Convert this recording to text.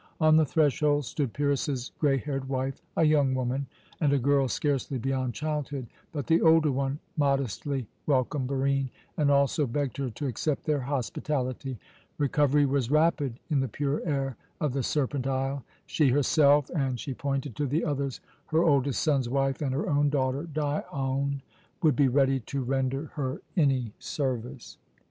On the threshold stood Pyrrhus's grey haired wife, a young woman, and a girl scarcely beyond childhood; but the older one modestly welcomed Barine, and also begged her to accept their hospitality. Recovery was rapid in the pure air of the Serpent Isle. She herself, and she pointed to the others her oldest son's wife, and her own daughter, Dione, would be ready to render her any service.